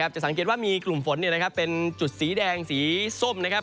จะสังเกตว่ามีกลุ่มฝนเป็นจุดสีแดงสีส้มนะครับ